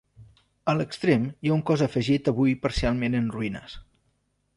A l'extrem hi ha un cos afegit avui parcialment en ruïnes.